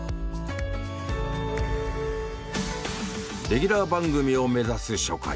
レギュラー番組を目指す初回。